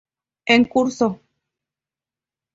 En curso.